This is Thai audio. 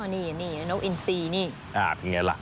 นี่น้องอินซีนี่